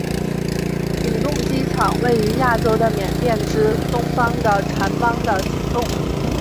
景栋机场位于亚洲的缅甸之东方的掸邦的景栋。